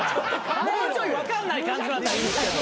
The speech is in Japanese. もうちょい分かんない感じのだったらいいですけど。